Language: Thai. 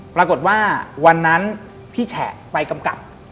ปรากฏว่าวันนั้นพี่แฉไปกำกับ